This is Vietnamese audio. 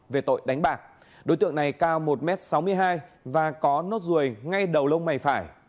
về tội đánh bạc đối tượng này cao một m sáu mươi hai và có nốt ruồi ngay đầu lông mày phải